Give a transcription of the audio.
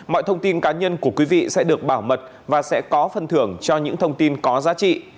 mọi thông tin cá nhân của quý vị sẽ được bảo mật và sẽ có phần thưởng cho những thông tin có giá trị